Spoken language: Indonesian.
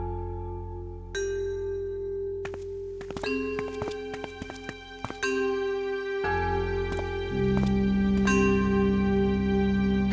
tidak tidak tidak